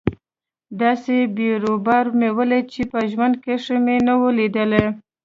داسې بيروبار مې وليد چې په ژوند کښې مې نه و ليدلى.